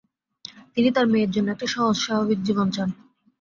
তিনি তাঁর মেয়ের জন্যে একটি সহজ স্বাভাবিক জীবন চান।